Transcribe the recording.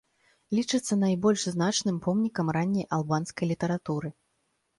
Лічыцца найбольш значным помнікам ранняй албанскай літаратуры.